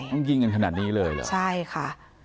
ต้องยิงกันขนาดนี้เลยเหรอใช่ค่ะ